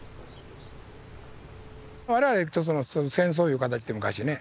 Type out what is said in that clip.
我々は戦争いう形で昔ね